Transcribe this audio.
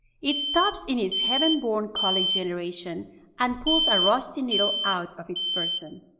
It stops in its heaven born colic generation, and pulls a rusty needle out of its person.